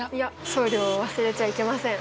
送料を忘れちゃいけません。